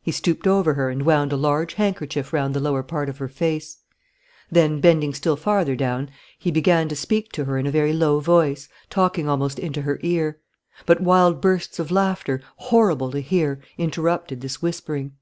He stooped over her and wound a large handkerchief round the lower part of her face. Then, bending still farther down, he began to speak to her in a very low voice, talking almost into her ear. But wild bursts of laughter, horrible to hear, interrupted this whispering.